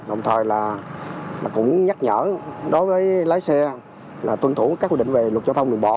đồng thời là cũng nhắc nhở đối với lái xe là tuân thủ các quy định về luật giao thông đường bộ